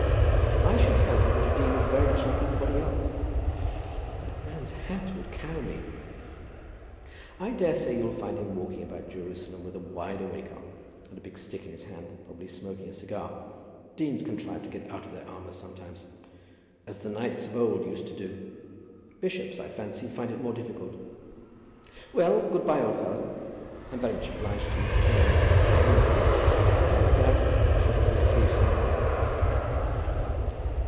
"I should fancy that a dean is very much like anybody else." "But the man's hat would cow me." "I daresay you'll find him walking about Jerusalem with a wide awake on, and a big stick in his hand, probably smoking a cigar. Deans contrive to get out of their armour sometimes, as the knights of old used to do. Bishops, I fancy, find it more difficult. Well; good by, old fellow. I'm very much obliged to you for going, I am, indeed. I don't doubt but what we shall pull through, somehow."